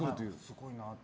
すごいなって。